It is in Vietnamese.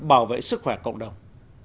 bảo vệ sức khỏe cộng đồng